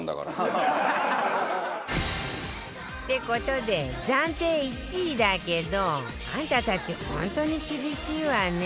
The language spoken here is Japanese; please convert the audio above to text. って事で暫定１位だけどあんたたち本当に厳しいわね